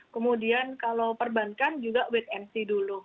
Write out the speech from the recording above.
kemudian kalau perbankan juga wait and see dulu